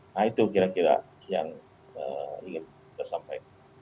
nah itu kira kira yang ingin kita sampaikan